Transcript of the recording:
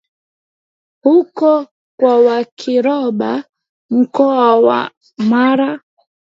huko kwa Wakiroba Mkoa wa Mara